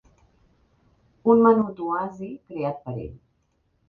Un menut oasi creat per ell